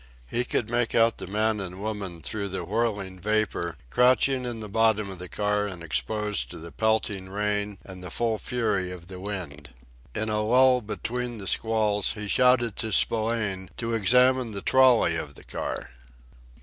He could make out the man and woman through the whirling vapor, crouching in the bottom of the car and exposed to the pelting rain and the full fury of the wind. In a lull between the squalls he shouted to Spillane to examine the trolley of the car.